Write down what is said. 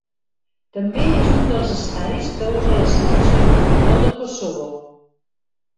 També és un dels estadis que usa la Selecció de futbol de Kosovo.